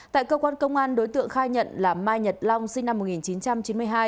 tại cơ quan công an đối tượng khai nhận là mai nhật long sinh năm một nghìn chín trăm chín mươi hai